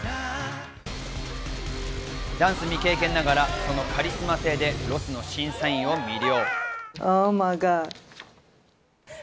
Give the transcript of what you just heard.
ダンス未経験ながら、そのカリスマ性でロスの審査員を魅了。